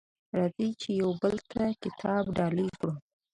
راځئ چي یو بل ته کتاب ډالۍ کړو.